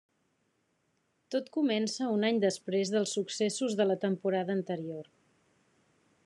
Tot comença un any després dels successos de la temporada anterior.